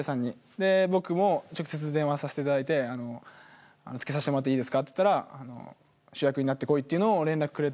で僕も直接電話させていただいて「付けさせてもらっていいですか」って言ったら「主役になってこい」っていうのを連絡くれて。